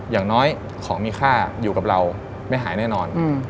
อย่างน้อยของมีค่าอยู่กับเราไม่หายแน่นอน